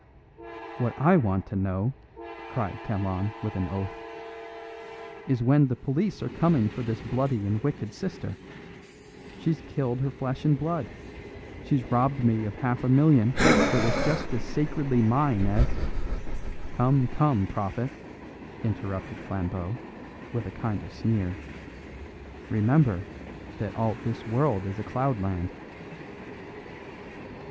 "What I want to know," cried Kalon, with an oath, "is when the police are coming for this bloody and wicked sister. She's killed her flesh and blood; she's robbed me of half a million that was just as sacredly mine as " "Come, come, prophet," interrupted Flambeau, with a kind of sneer; "remember that all this world is a cloudland."